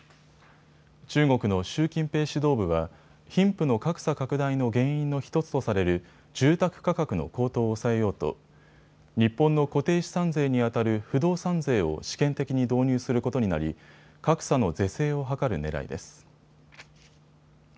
中国の習近平指導部は貧富の格差拡大の原因の１つとされる住宅価格の高騰を抑えようと日本の固定資産税にあたる不動産税を試験的に導入することになり格差の是正を図るねらいです。